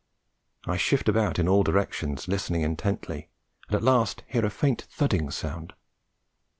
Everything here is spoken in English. I shift about in all directions listening intently, and at last hear a faint thudding sound.